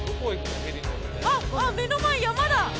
あっあっ目の前山だ！